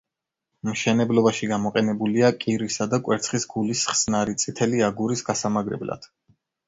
მშენებლობაში გამოყენებულია კირისა და კვერცხის გულის ხსნარი წითელი აგურის გასამაგრებლად.